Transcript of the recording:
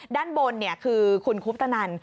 ด้านบนคือคุณคุปตนัน